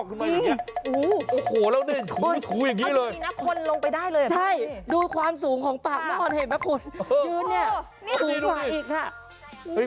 คุณโยนฟองน้ำเอาบายทิ้งไปเลย